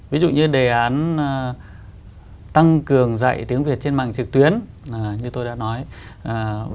ví dụ như đề án tăng cường dạy tiếng việt trên mạng trực tuyến như tôi đã nói và một số đề án khác nữa